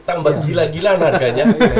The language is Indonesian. tambah gila gila harganya